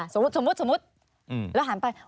สมมุติแล้วหันไป